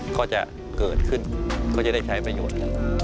ก็จะเกิดขึ้นก็จะได้ใช้ประโยชน์